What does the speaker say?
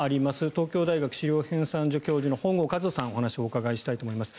東京大学史料編纂所教授の本郷和人さんにお話をお伺いしたいと思います。